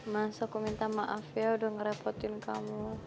mas aku minta maaf ya udah ngerepotin kamu